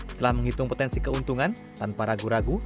setelah menghitung potensi keuntungan tanpa ragu ragu